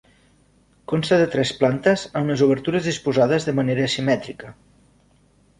Consta de tres plantes amb les obertures disposades de manera simètrica.